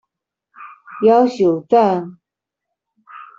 妖受讚